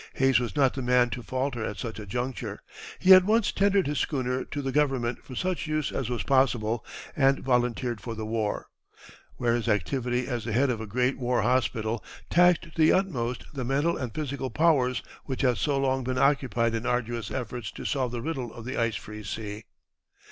Hayes was not the man to falter at such a juncture. He at once tendered his schooner to the government for such use as was possible, and volunteered for the war, where his activity as the head of a great war hospital taxed to the utmost the mental and physical powers which had so long been occupied in arduous efforts to solve the riddle of the ice free sea.